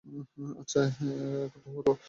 আচ্ছা, এখন তো হলো।